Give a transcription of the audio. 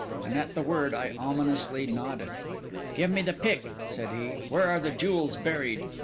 And at the word I ominously nodded. 'Give me the pick,' said he. 'Where are the jewels buried?